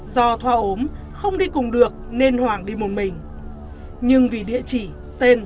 do thoa ốm không đi cùng được nên hoàng đi một mình nhưng vì địa chỉ tên